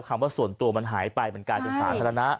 คำว่าส่วนตัวมันหายไปเหมือนกันอยู่ฐานธรรณะ